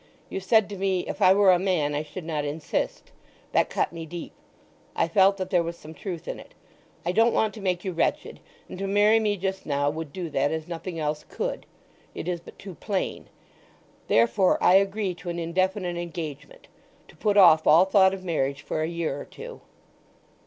You said to me, 'If I were a man I should not insist.' That cut me deep. I felt that there was some truth in it. I don't want to make you wretched; and to marry me just now would do that as nothing else could—it is but too plain. Therefore I agree to an indefinite engagement—to put off all thought of marriage for a year or two."